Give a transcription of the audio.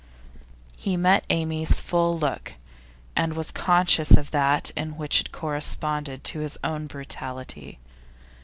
He met Amy's full look, and was conscious of that in it which corresponded to his own brutality.